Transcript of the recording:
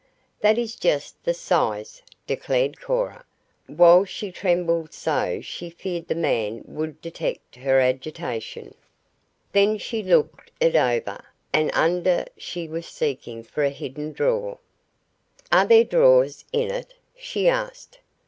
"That is just the size," declared Cora, while she trembled so she feared the man would detect her agitation. Then she looked it over, and under she was seeking for a hidden drawer. "Are there drawers in it?" she asked.